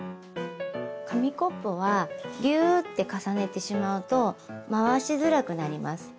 紙コップはギューって重ねてしまうと回しづらくなります。